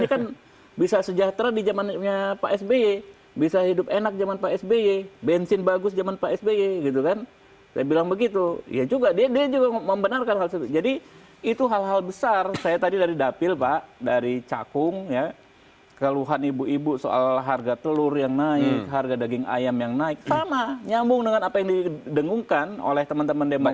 dan sudah tersambung melalui sambungan telepon ada andi arief wasekjen